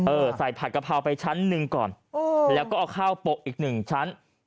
ใส่ผัดกะเพราไปชั้นหนึ่งก่อนแล้วก็เอาข้าวโปะอีกหนึ่งชั้น